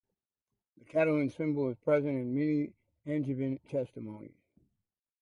The Catalan symbol is present in many Angevin testimonies.